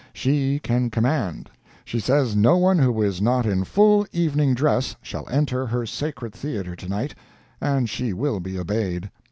She can command. She says noone who is not in full evening dress shall enter her sacred theatre to night, and she will be obeyed.